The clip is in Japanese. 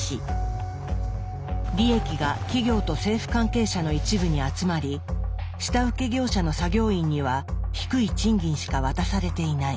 利益が企業と政府関係者の一部に集まり下請け業者の作業員には低い賃金しか渡されていない。